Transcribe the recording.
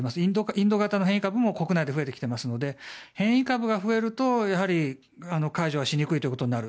インド型の変異株も国内で増えてきていますので変異株が増えるとやはり解除はしにくいということになる。